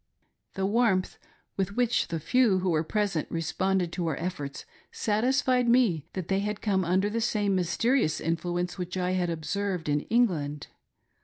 The warmth with which the few who were presfent responded to our efforts satisfied me that they had come under the same mysterious influence which I had observed in England.